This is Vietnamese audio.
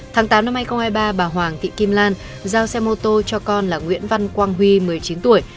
tháng tám năm hai nghìn hai mươi ba bà hoàng thị kim lan giao xe mô tô cho con là nguyễn văn quang huy một mươi chín tuổi